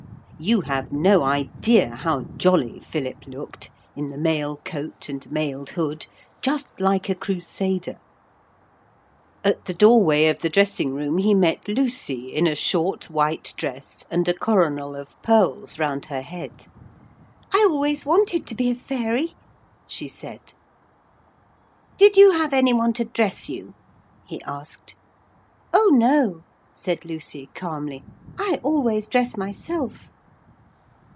You have no idea how jolly Philip looked in the mail coat and mailed hood just like a Crusader. At the doorway of the dressing room he met Lucy in a short white dress and a coronal of pearls round her head. 'I always wanted to be a fairy,' she said. 'Did you have any one to dress you?' he asked. 'Oh no!' said Lucy calmly. 'I always dress myself.'